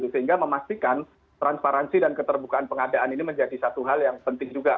sehingga memastikan transparansi dan keterbukaan pengadaan ini menjadi satu hal yang penting juga